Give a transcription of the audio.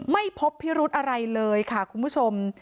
ไม่พบพิรุธอะไรเลยค่ะคุณผู้ชม